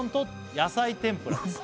「野菜天ぷらです」